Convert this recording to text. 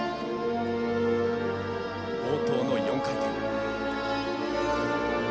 冒頭の４回転。